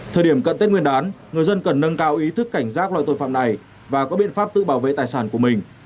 thời điểm cận tết nguyên đán người dân cần nâng cao ý thức cảnh giác loại tội phạm này và có biện pháp tự bảo vệ tài sản của mình